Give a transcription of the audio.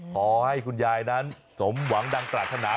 ขอให้คุณยายนั้นสมหวังดังปรารถนา